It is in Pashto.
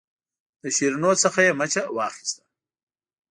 د شیرینو څخه یې مچه واخیسته.